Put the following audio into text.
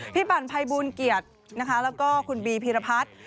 พี่บันภัยบูลเกียรติแล้วก็คุณบีพีรพัฒน์